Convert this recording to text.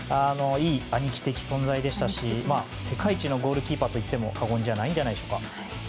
いい兄貴的存在でしたし世界一のゴールキーパーといっても過言じゃないんじゃないでしょうか。